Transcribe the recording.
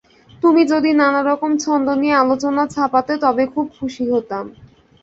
তুমি যদি নানা রকম ছন্দ নিয়ে আলোচনা ছাপতে, তবে খুব খুশি হতাম।